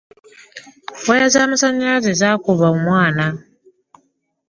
Waaya za masannyalaze zaakuba omwana.